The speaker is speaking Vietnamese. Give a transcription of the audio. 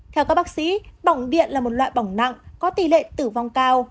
theo các bác sĩ bỏng điện là một loại bỏng nặng có tỷ lệ tử vong cao